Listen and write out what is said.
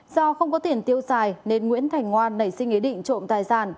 do không có tiền tiêu xài nên nguyễn thành ngoan nảy sinh ý định trộm tài sản